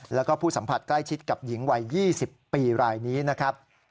แล้วก็ผู้สัมผัสใกล้ชิดกับหญิงวัย๒๐ปีรายนี้นะครับ